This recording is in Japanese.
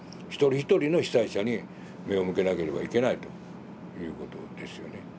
一人一人の被災者に目を向けなければいけないということですよね。